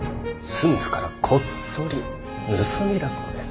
駿府からこっそり盗み出すのです。